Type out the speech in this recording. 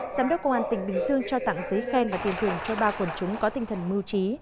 giám đốc công an tỉnh bình dương trao tặng giấy khen và tiền thưởng cho ba quần chúng có tinh thần mưu trí